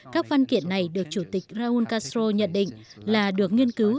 các văn kiện này được chủ tịch raúl castro nhận định là được nghiên cứu